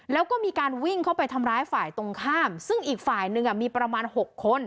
แล้วก็มีการวิ่งเข้าไปทำร้ายฝ่ายตรงข้ามซึ่งอีกฝ่ายนึงมีประมาณ๖คน